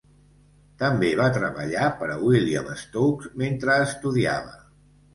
També va treballar per a William Stokes mentre estudiava.